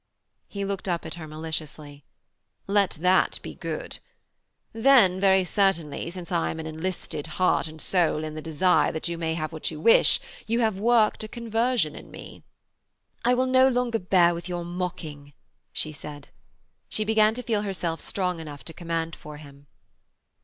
He looked up at her maliciously. 'Let that be Good. Then, very certainly, since I am enlisted heart and soul in the desire that you may have what you wish, you have worked a conversion in me.' 'I will no longer bear with your mocking,' she said. She began to feel herself strong enough to command for him.